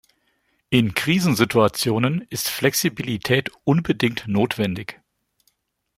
In Krisensituationen ist Flexibilität unbedingt notwendig.